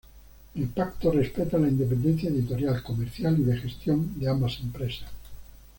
El pacto respeta la independencia editorial, comercial y de gestión de ambas empresas.